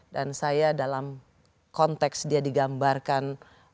dan saya dalam konteks dia digambarkan